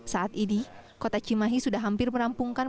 saat ini kota cimahi sudah hampir merampungkan